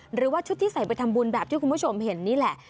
หรือว่าชุดที่ใส่ไปทำบุญแบบที่คุณผู้ชมเห็นนี่แหละ